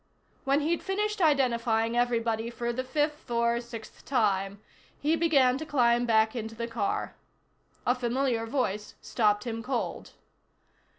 When he'd finished identifying everybody for the fifth or sixth time, he began to climb back into the car. A familiar voice stopped him cold.